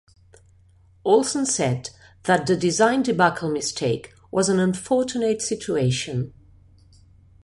Olsen said that the "design debacle" "mistake" was an "unfortunate situation".